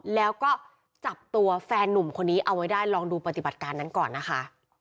แล้วก็จับตัวแฟนนุ่มคนนี้เอาไว้ได้ลองดูปฏิบัติการนั้นก่อนนะคะ